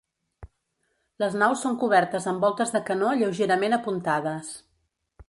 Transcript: Les naus són cobertes amb voltes de canó lleugerament apuntades.